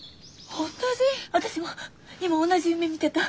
私も今同じ夢みてた。